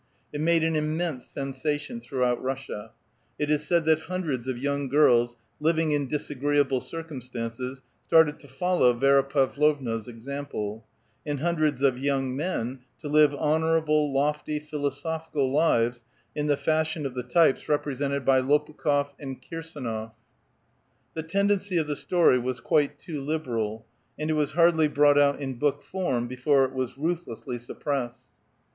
It made an immense sensation throughout Russia. It is said that hun dreds of young girls living in disagreeable circumstances started to follow Vi6ra Pavlovna's example, and hundreds of young men, to live honorable, lofty, philosophical lives in the fashion of the types represented by Lopukh6f and Kir sdnof . The tendency of the story was quite too liberal, and it was hardly brought out in book form before it was ruth lessly suppressed.